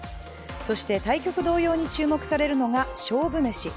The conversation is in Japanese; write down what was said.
そして対局同様に注目されるのが勝負メシ。